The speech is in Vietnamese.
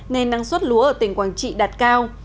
nên năng suất lúa ở tỉnh quảng trị đạt cao